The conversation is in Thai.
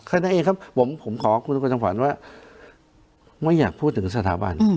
เพราะฉะนั้นเองครับผมขอคุณผู้ชมฝันว่าไม่อยากพูดถึงสถาบัน